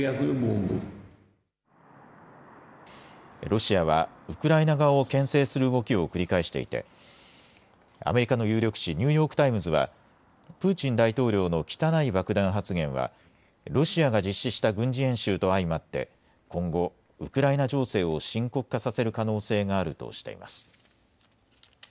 ロシアはウクライナ側をけん制する動きを繰り返していてアメリカの有力紙、ニューヨーク・タイムズはプーチン大統領の汚い爆弾発言はロシアが実施した軍事演習と相まって今後、ウクライナ情勢を深刻化させる可能性があるとしています。